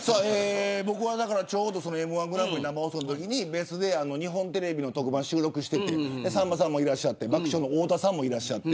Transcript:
僕はちょうどＭ‐１グランプリ生放送のときに日本テレビの特番収録していて、さんまさんも爆笑の太田さんもいらして。